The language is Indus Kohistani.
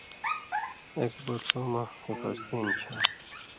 ایک بوتلو مہ حفاظتی ہِن چھا۔